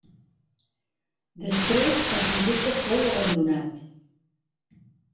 Després el projecte fou abandonat.